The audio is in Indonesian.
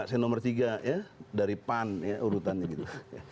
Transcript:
saya nomor tiga ya dari pan ya urutannya gitu